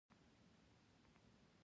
تیمورشاه سند ته روان شو.